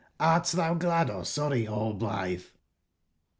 Hrt tbou glad or sorry, Rallblitbe?"